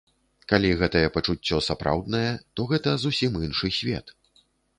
Калі гэтае пачуццё сапраўднае, то гэта зусім іншы свет.